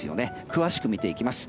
詳しく見ていきます。